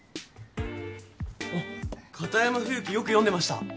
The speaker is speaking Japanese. あっ片山冬樹よく読んでました。